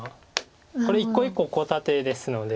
これ一個一個コウ立てですので。